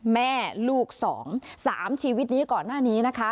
แม่ลูกสองสามชีวิตนี้ก่อนหน้านี้นะคะ